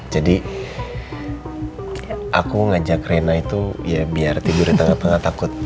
jadi aku ngajak rena itu ya biar tidur di tengah tengah takut